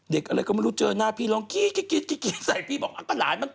เด็กอะไรก็ไม่รู้เจอน่ะพี่ลองกิ๊ด